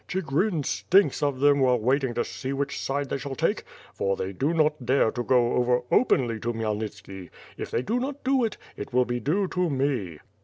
Chigrin stinks of them while waiting to see which side they shall take; for they do not dare to go over openly to Khmyelnitski. If they do not do it, it will be due to me."